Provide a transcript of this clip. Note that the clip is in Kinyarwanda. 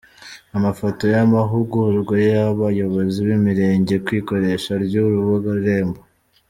Ama photo y’amahugurwa y’abayobozi b’Imerenge kw’ikoresha ry’urubuga Irembo